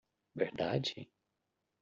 Verdade?